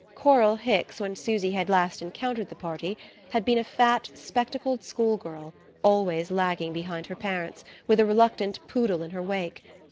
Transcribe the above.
Coral Hicks, when Susy had last encountered the party, had been a fat spectacled school girl, always lagging behind her parents, with a reluctant poodle in her wake.